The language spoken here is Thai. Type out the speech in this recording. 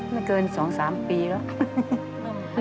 ไม่เกินสองสามปีแล้ว